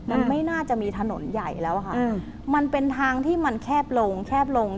มันไม่น่าจะมีถนนใหญ่แล้วค่ะมันเป็นทางที่มันแคบลงแคบลง